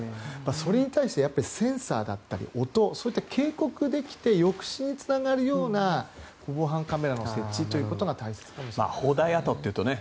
それに対してセンサーだったり音警告できて抑止につながるような防犯カメラの設置ということが大切かもしれませんね。